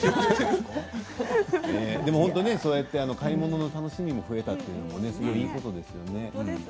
でも本当にそうやって買い物の楽しみも増えたというのはいいことですよね。